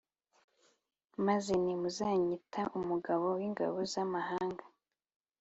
Maze nti Muzanyita umugaba w’ingabo z’abanyamahanga